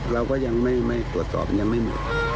เราก็ยังไม่ตรวจสอบยังไม่หมด